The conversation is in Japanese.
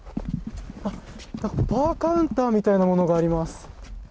バーカウンターみたいなものがあります。